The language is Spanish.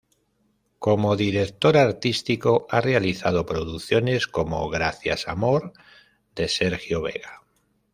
Como director artístico ha realizado producciones como: "Gracias Amor" de Sergio Vega.